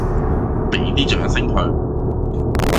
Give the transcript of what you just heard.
畀啲掌聲佢！